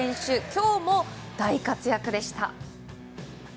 今日も大活躍でした！